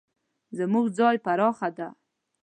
زموږ ځای پراخه ده